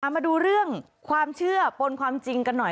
มาดูเรื่องความเชื่อปนความจริงกันหน่อย